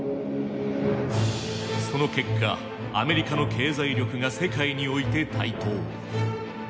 その結果アメリカの経済力が世界において台頭。